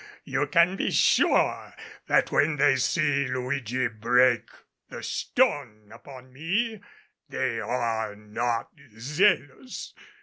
You can be sure that when 145 they see Luigi break the stone upon me they are not zealous."